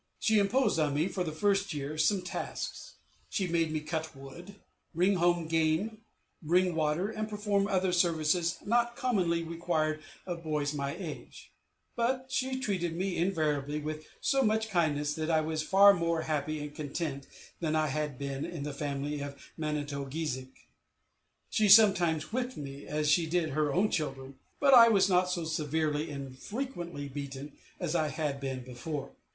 She imposed on me, for the first year, some tasks. She made me cut wood, bring home game, bring water, and perform other services not commonly required of boys of my age; but she treated me invariably with so much kindness that I was far more happy and content than I had been in the family of Manito o geezhik. She sometimes whipped me, as she did her own children: but I was not so severely and frequently beaten as I had been before.